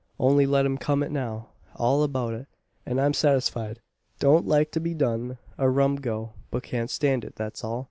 Only let him come it now, all about it, and I'm satisfied. Don't like to be done a rum go, but can't stand it that's all."